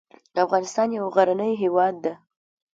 افغانستان یو غرنې هیواد ده